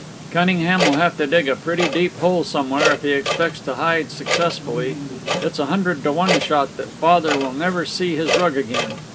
"Cunningham will have to dig a pretty deep hole somewhere if he expects to hide successfully. It's a hundred to one shot that father will never see his rug again.